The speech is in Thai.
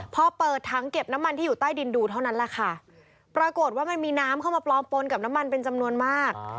พอเปิดถังเก็บน้ำมันที่อยู่ใต้ดินดูเท่านั้นแหละค่ะปรากฏว่ามันมีน้ำเข้ามาปลอมปนกับน้ำมันเป็นจำนวนมาก